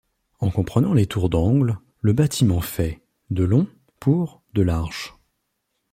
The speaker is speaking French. En comprenant les tours d'angle, le bâtiment fait de long pour de large.